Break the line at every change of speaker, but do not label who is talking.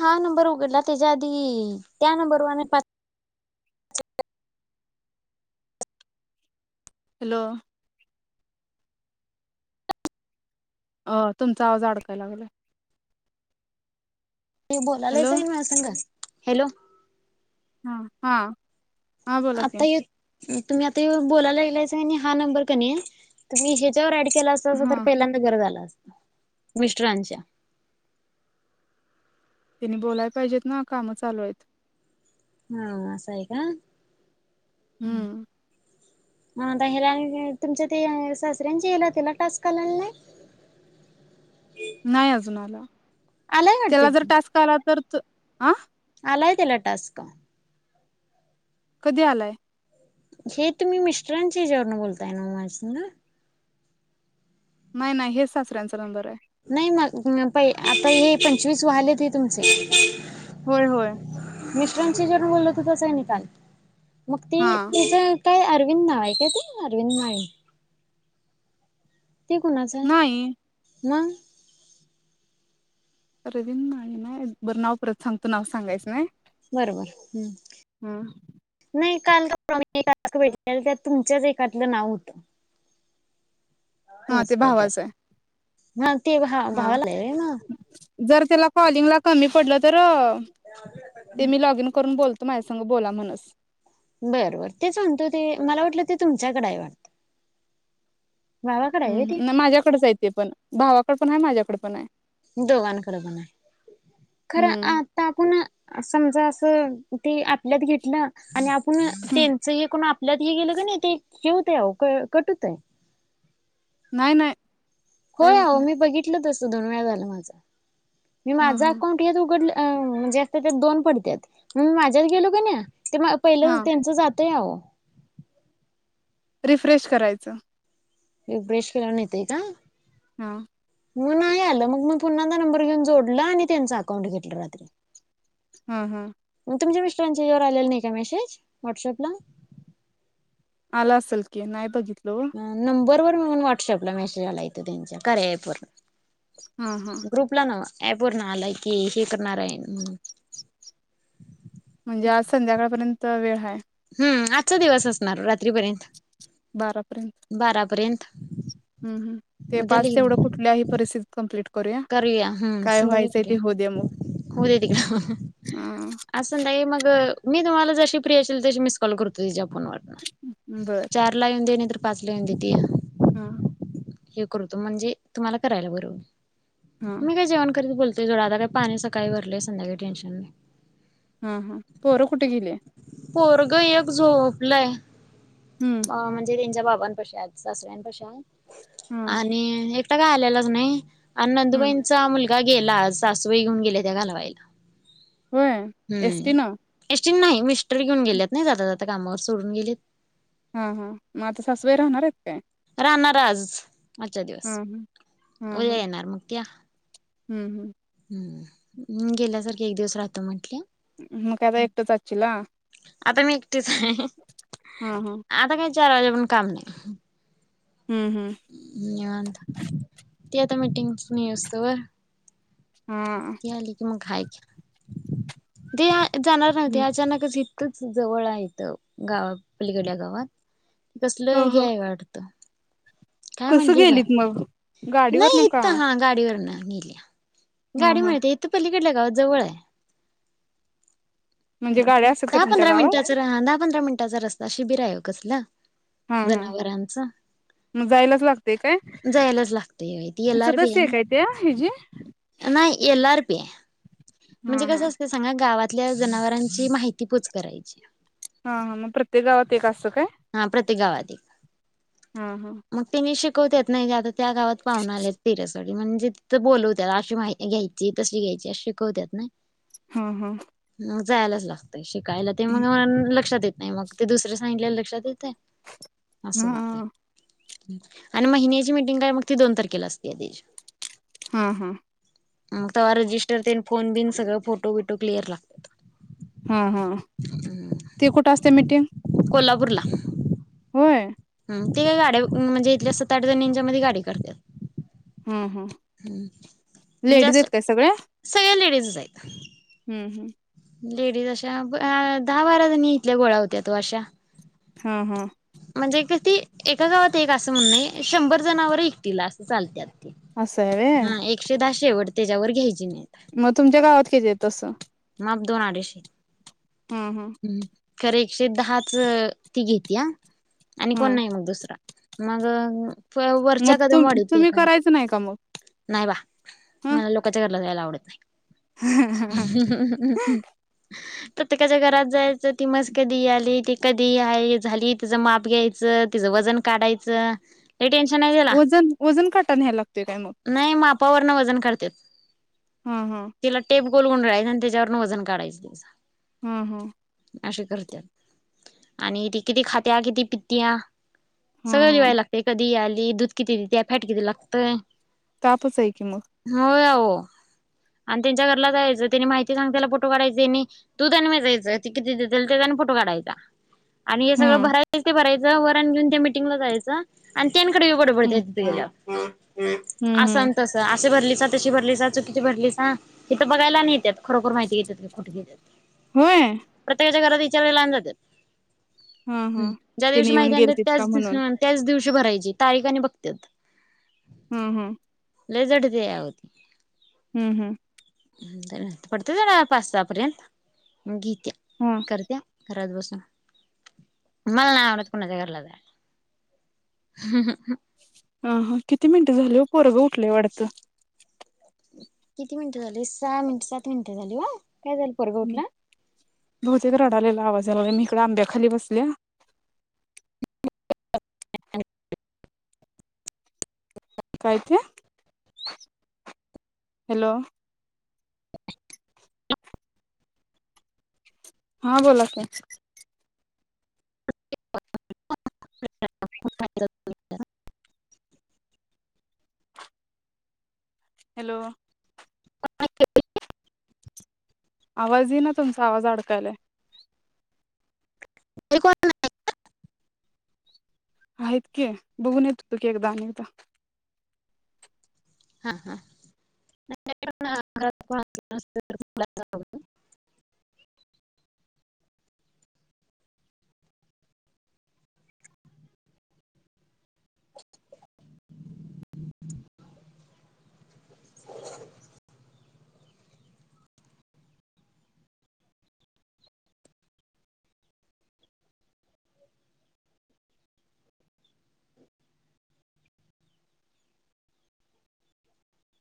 हा नंबर उघडला त्याच्या आधी त्या नंबरवरने
हॅलो अं तुमचं आवजडकाय लागलंय
ते बोलालेयच आहे म संघात हॅलो
हा हा हा बोला
आता
क
य तुम्ही आता बोलायला गेलायच हा नंबर क तुम्ही ह्याच्यावर अस तर
हा
पहिल्यांदा गरज झाला मिस््रांच्या
तिने बोलायला पाहिजेत ना काम चालू आहेत
हा असं आहे का
हम्म.
हाता याला तुमच्या ते सासऱ्यांची येला तेला टास्क आंलाल नाही?
नाही अजून आला.
आलाय
त्याला
वाटतं
जर
की
टास्क आला तर त आं
आलाय त्यला टास्क.
कधी आलाय?
हे तुम्ही मिस्टरांचे याचेवरण बोलताय ना माज्या संग?
नाही नाही हे सचऱ्यांचा नंबर आहे.
नाही मग प आता हे प आता हे पंचवीस वाहलेत ते तुमचे.
होय होय.
मिष्टरांशी जर बोलल तर तसये निकाल मग ती
हा
तिच काय अरविंद नाव आहे काय ते अरविंद नाई ते कोणाचं आहे?
नाही
म?
रदीन माणी ना बरं नाव परत सांगतो. नाव सांगायचं नाही.
बरोबर हम्
हं
नाही. काल का परवा मी एका भेटले त्या तुमच्याच एखातलं नाव होत.
हा ते भावाच आहे.
हा. ते भा
हा
भावाला आहे ना
जर त्याला कॉलिंग लाग कमी पडलं तर? ते मी लॉग इन करून बोलते. त माझ्यासांग बोला म्हणस.
बर बर ते सांगतो ते मला वाटलं ते तुम तच्याकडेय वाटत.
हं हं हम नाही माझ्याकडेचयेत ते पण, भावाकडे पण आहे माझ्याकडे पण आहे.
दोघांकडे बन आहे खरं
हम्म
आता आपण समजा असं ते आपल्यात घेतलं आणि आंप ण
हं,
त्यांच एकून आप लत हे गेलं का नाही ते ऊत आओ कटवतये.
नाहीय नाही. काही
होय
होत
हो
नाही.
मी बघितल तस दोन वेळ झाला माझा. मी
हां,
माझं
हां,
अकाउंट यात उघडलं. म्हणजे असता त्यात दोन पडतात मग मी माझ्यात गेलो का ना ते पहिलं
हां.
त्यांच जात ते आव
रिफ्रेश करायचं
एक ब्रेश फिराून येतय का
हा
मग नाही आलं मग मी पुन्हादा नंबर घेऊन जोडला आणि त्यांच अकाउंट घेतलं रात्री
हम् हम्
मग तुमच्या मिस्टरांच्या यावर आलेल नाही का मेसेज व्हॉट्सअपला
अला असलकीे नाय बघित
ह नंबरवरर ण व्हॉटसअपला मेसेज आला येतो त्यांच्या खरय
हां, हां.
पूर्ण ग्रुप ला नावा पर्ण आलाय की हे करणार आहे म्हणून
म्हणजे आज संध्याकाळपर्यंत वेळ आहे
हम् आजचा दिवस असणार रात्रीपर्यंत
बारा
बारापर्यंत
हम हम ते पाच
उद्याला
ते एवढं
येऊन
कुठल्याही परिस्थितीत कम्प्लीट
करूया हम् संध्याका
दे मग.
करूया हो दे त का
हां,
असधा मग मी तुम्हाला जशी प्रि असेल तशी मिस कॉल करतो तिच्या वा
बरं.
चला येऊन दे पाचलेून दितीया
हा
हे करूतो म्हणजे तुम्हाला करायला
हां,
बरोबर मी काय जेवण करीत बोलते. ते जोड आता काही पाणी सकाळी भरलेय संध्याकाळी टेन्शन नाही.
हम हम पोर कुठे गेली?
पोरगं एक झोपलय.
हं,
अ म्हणजे त्यांच्या बाबांपशा सासऱ्यांपशा
हां,
आणि हे आता काय आलेलाच नाही. अन
हं.
नंदुबाईंचा मुल - गेला सासूबाई घेऊन गेले त्या घालवायला.
होय एस
हम्म.
टी न?
नाही मिस्टरी घेऊन गेलेत नाही जाता जाता कामावर सोडून गेलेत.
हा हा मात ससव राहनर इे
राहणारास आजचा दिवस
हां, हां,
उद्या येणार मग त्या.
हम्म
ह म गेल्यासारखे एक दिवस राहतो म्हंटले.
म का आता एकटंचचीला
आता मी एकटीच आहे.
हा हा
आता काय चार वाजे पवून काम नाही
हं, हं.
त तेी आता मीटिंग नाही असतो वर
हम्
खाय की दे जाणार नव्हती
ह
अचानकच जवळ आहेथ गाव पलीकड्या गावात कसलं
ह
हेय वाटत.
कसं गेलीत मग गाडीवर नका.
मेल्या गाडी मिळते येत पली ल्या गाव जवळ आहे
म्हणजे गाड्या असल का
दहा
तुमच्या
पंधरा
गावात?
मिनिटाचा दहा पंधरा मिनिटाचा रस्ता शिबिर आहे हो कसला.
हा हा म जायलाच लागते काय
जायलाच लागतंय ती एल आर पी
सदस्य आहे
ना
काय त्या हजी
नाही एल आर पी आहे म्हणजे कसं असतं सांगा गावात आपल्या जनावरांची माहिती पोच करायची
हा हा मग प्रत्येक गावात एक असं काय
ते गावाध
हा हा
शिकवतत नाही आता त्या गावात पाहून आलेत पिऱ्यासाठी म्हणजे तिथ बोलवत अशी माहि घ्यायची तशी घ्यायची शिकवतत नाही
हा हा
जायलाच लागत कायला ते मग लक्षात येत नाही मग ते दुसर्या सांगितल्याला लक्षात येते
हा
अससते आणि महिन्याची मिीटिंग काय मग ती दोन तारखेला असते आधिश
हा हा
मग तेव्हा रजिस्रन फोन बिन सगळ फोटो विटो क्लिअर लागत
हा हा ते कुठं असते मीटिंग
कुर्ला
होय
ते काय गाड्या म्हणजे इथल्या सात आठ जण यांंच्या मध्ये गाडी करतात
हम् हम्
ह् म्हणजे अस
सगळ्या
सगळ्या लेडीज जा
हम् हम्
लेडीज अशा दहा बारा जणी इथल्या गोळा्या होत्या तो अशा
हा हा
म्हणजे क ते एका गावात एक असं म्हण नाही शंभर जणावर एकटला असं चालत
असं आहे व्हय
हा एकशे द शवट त्याच्यावर घ्याय
मग तुमच्या गावात किती आहे तसं
माप दोन आडीशी
हा हा
हम्म करे एकशे दहाच ती घेत या आणि कोण
हा
नाही मग दुसरा मग
मग
वरच्या कदम
तुम
वाढत
तुम्ही
काय
करायचं नाही का मग
नाही बा मला लोकच्या घराला जायला आवडेत ह ह प्रत्येकाच्या घरात जायचं ती मज कधी आली ती कधी झाली तिचं माप घ्यायचं तिचं वजन काढायचं हे टेन्शन आहे त्याला
वजन वजन कटण या्यायला लागतोय काय मग
नाही मापावरन वजन करते
हम् हम्
गोलगुण राहायं आणि त्याच्यावरून वजन काढयचंं
हम्म हम्
करत आणि त कि ख त्या्या किती पीत्या
हा
सगळं
हा
जिवायला लागते कधी यायला दूध किती देत फॅट किती लागतं
ताप च हाय की मग
अहो आणि त्यांच्या घ जायच त्यांनी माहि सांग फोटो काढाय तूयच कटा ग
हम्म
भरायचं ते भराय वर घेऊन त्याटंगला जा तन कडेऊ कड
हम्म
बडतय
हम्म
अस
हम्म
तसं असे भरले सातशी भरली सा चुकीची भरली सा हे तर बघायला नाही येतात खरोखर माहिती घेती कुठे घेतात
होय
प्रत्येकाच्या घराात वला
हा
ह
हा
ज्या
त्याने
दिवशी
येऊन
माहिती आण
गेलतीत का
त्याच
म्हणून
त्याच दिवशी भरायची त आणि बघत
हम्म हम्म
ललेजड ते या होती
हम्म हम्म
पडत जाणार पाच स पर्यंत म गी
हम्म
खराात बसून ममला ना आडत कोणा जगरला
अ ह किती मिनिटं झाले हो पोरग ले वाढत
किती मिनिटं झाली सहा मिनिट सात मिनिटं झाली वा
हम् दोचेकडालेला आवाज जला मी इकड आंब्याखाली बसल्या
[unintelligible]
काय ते हॅलो
[inaudible]
हा बोला की
[inaudible]
हॅलो
[inaudible]
आवाजही ना तुमचा आवाज अडकायलाय
ते कोण नाही
आहेत क बघून येत हो तु की एकदा अनेकदा
हा हा [inaudible]